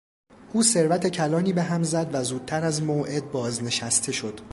او ثروت کلانی به هم زد و زودتر از موعد بازنشسته شد.